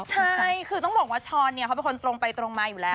ใช่คือต้องบอกว่าช้อนเนี่ยเขาเป็นคนตรงไปตรงมาอยู่แล้ว